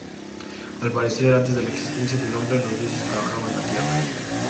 Al parecer, antes de la existencia del hombre, los dioses trabajaban la tierra.